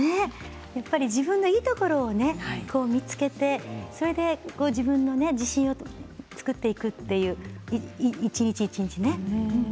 やっぱり自分のいいところをね見つけてそれで自分の自信を作っていくという、一日一日ね。